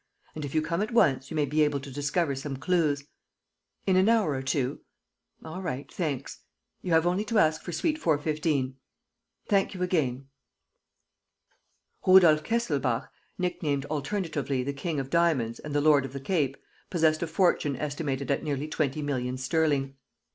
And, if you come at once, you may be able to discover some clues. ... In an hour or two? All right; thanks. ... You have only to ask for suite 415. ... Thank you again." Rudolf Kesselbach, nicknamed alternatively the King of Diamonds and the Lord of the Cape, possessed a fortune estimated at nearly twenty millions sterling.